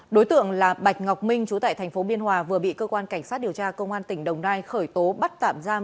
đối tượng là bạch ngọc minh chú tại tp biên hòa vừa bị cơ quan cảnh sát điều tra công an tỉnh đồng nai khởi tố bắt tạm giam